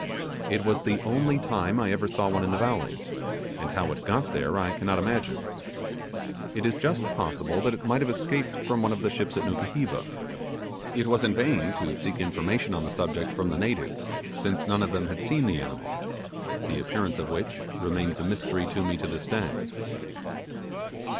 It was the only time I ever saw one in the valley, and how it got there I cannot imagine. It is just possible that it might have escaped from one of the ships at Nukuheva. It was in vain to seek information on the subject from the natives, since none of them had seen the animal, the appearance of which remains a mystery to me to this day.